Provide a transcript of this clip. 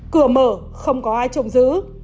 cửa mở không có ai trộm giữ